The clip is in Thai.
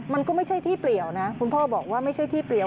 มันก็ไม่ใช่ที่เปลี่ยวนะคุณพ่อบอกว่าไม่ใช่ที่เปลี่ยว